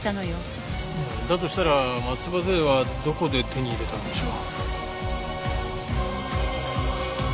だとしたら松葉杖はどこで手に入れたんでしょう？